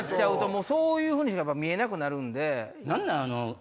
そういうふうにしか見えなくなるんで。